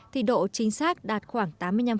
thì độ chính xác đạt khoảng tám mươi năm